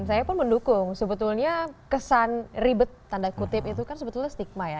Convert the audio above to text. saya pun mendukung sebetulnya kesan ribet tanda kutip itu kan sebetulnya stigma ya